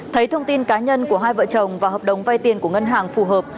thấy thông tin cá nhân của hai vợ chồng và hợp đồng vay tiền của ngân hàng phù hợp